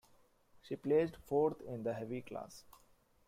She placed fourth in the heavy class.